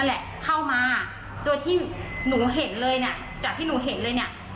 แหละเข้ามาโดยที่หนูเห็นเลยเนี่ยจากที่หนูเห็นเลยเนี่ย